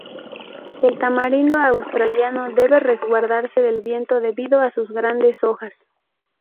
El tamarindo australiano debe resguardarse del viento debido a sus grandes hojas.